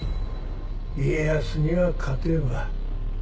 家康には勝てんわ。